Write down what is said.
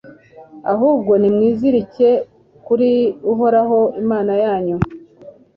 ahubwo nimwizirike kuri uhoraho, imana yanyu